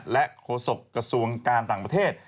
และโฆษกระทรวงการต่างประเทศ